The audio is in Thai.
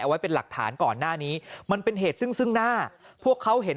ไว้เป็นหลักฐานก่อนหน้านี้มันเป็นเหตุซึ่งซึ่งหน้าพวกเขาเห็น